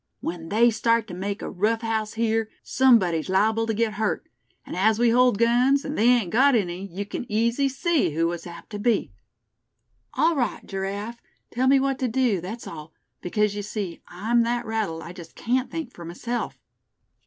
"When they start to making a rough house here somebody's liable to get hurt. And as we hold guns, and they ain't got any, you c'n easy see who it's apt to be." "All right, Giraffe; tell me what to do, that's all; because you see, I'm that rattled I just can't think for myself."